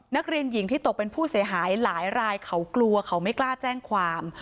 นักเรียนหญิงที่ตกเป็นผู้เสียหายหลายรายเขากลัวเขาไม่กล้าแจ้งความ